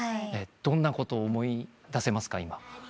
どんなことを思い出せますか？